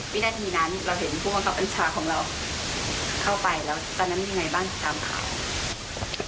ไม่ได้ทีนั้นเราเห็นผู้กำลังกลับอัญชาของเราเข้าไปแล้วตอนนั้นยังไงบ้างตามข่าว